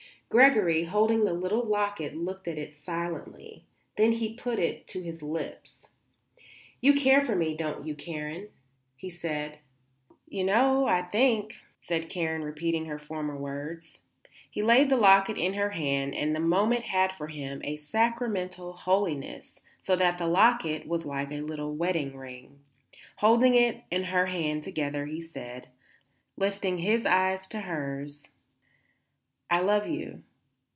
Gregory, holding the little locket, looked at it silently. Then he put it to his lips. "You care for me, don't you, Karen?" he said. "You know, I think," said Karen, repeating her former words. He laid the locket in her hand, and the moment had for him a sacramental holiness so that the locket was like a wedding ring; holding it and her hand together he said, lifting his eyes to hers, "I love you.